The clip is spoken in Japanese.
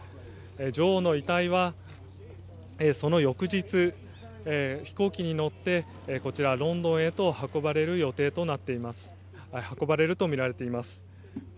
女王の遺体はその翌日飛行機に乗ってこちら、ロンドンへと運ばれるとみられています。